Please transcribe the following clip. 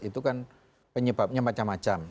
itu kan penyebabnya macam macam